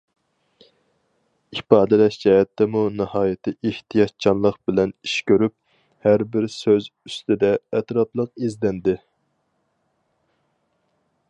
ئىپادىلەش جەھەتتىمۇ ناھايىتى ئېھتىياتچانلىق بىلەن ئىش كۆرۈپ، ھەربىر سۆز ئۈستىدە ئەتراپلىق ئىزدەندى.